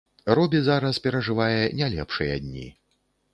Робі зараз перажывае не лепшыя дні.